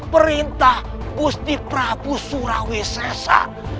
perintah gusti prabu surawisesa